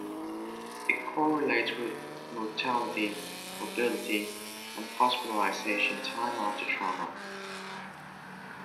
It correlates with mortality, morbidity, and hospitalization time after trauma.